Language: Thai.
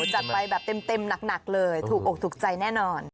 จัดไปแบบเต็มหนักเลยถูกอกถูกใจแน่นอน